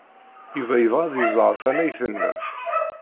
Yuba yebɣa ad iẓer tannayt-nnem.